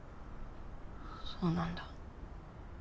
そうなんだ。